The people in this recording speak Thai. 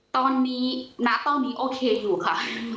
ตอนนี้ณตอนนี้โอเคอยู่ค่ะ